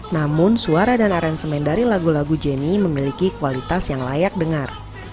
namun suara dan aransemen dari lagu lagu jenny memiliki kualitas yang layak dengar